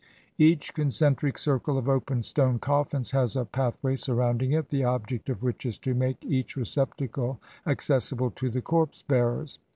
Each concentric circle of open stone coffins has a path way surrounding it, the object of which is to make each 239 INDIA receptacle accessible to the corpse bearers.